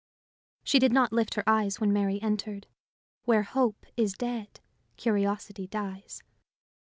She did not lift her eyes when Mary entered: where hope is dead, curiosity dies.